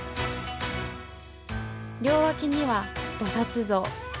両脇には菩薩像。